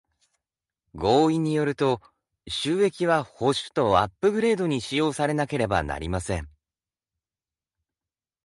合意によると、収益は保守とアップグレードに使用されなければなりません。